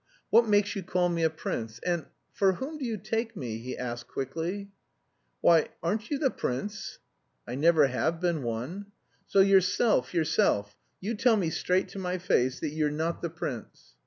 "What makes you call me a prince, and... for whom do you take me?" he asked quickly. "Why, aren't you the prince?" "I never have been one." "So yourself, yourself, you tell me straight to my face that you're not the prince?"